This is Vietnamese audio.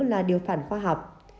là điều phản khoa học